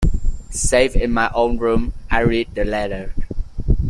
Safe in my own room, I read the letter.